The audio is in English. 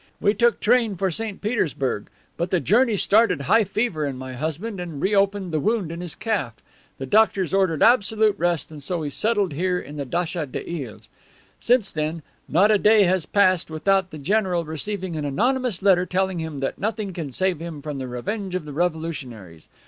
We took train for St. Petersburg, but the journey started high fever in my husband and reopened the wound in his calf. The doctors ordered absolute rest and so we settled here in the datcha des Iles. Since then, not a day has passed without the general receiving an anonymous letter telling him that nothing can save him from the revenge of the revolutionaries.